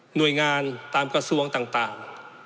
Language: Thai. หน่วยงานตามกระทรวงต่าง